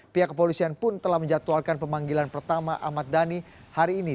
pihak kepolisian pun telah menjatuhkan pemanggilan pertama ahmad dhani hari ini